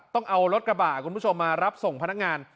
ต้องเอารถกระบะคุณผู้ชมมารับส่งพนักงาน